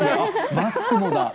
マスクもだ。